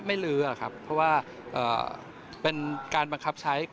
ลื้อครับเพราะว่าเป็นการบังคับใช้